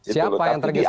siapa yang tergesa gesa